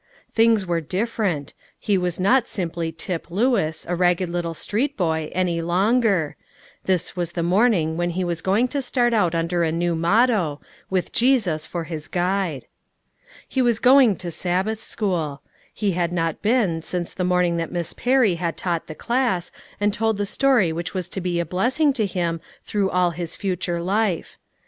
Things were different: he was not simply Tip Lewis, a ragged little street boy, any longer; this was the morning when he was going to start out under a new motto, with Jesus for his guide. He was going to Sabbath school. He had not been since the morning that Miss Perry had taught the class, and told the story which was to be a blessing to him through all his future life.